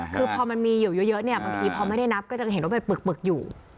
คือพอมันมีอยู่เยอะเนี่ยบางทีพอไม่ได้นับก็จะเห็นว่าเป็นปึกอยู่